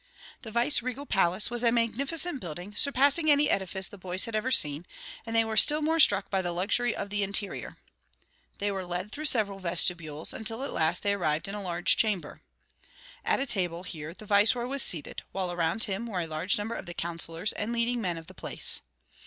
The vice regal palace was a magnificent building, surpassing any edifice the boys had ever seen, and they were still more struck by the luxury of the interior. They were led through several vestibules, until at last they arrived in a large chamber. At a table here the viceroy was seated, while around him were a large number of the councilors and leading men of the place.